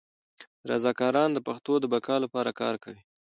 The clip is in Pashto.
رضاکاران د پښتو د بقا لپاره کار کوي.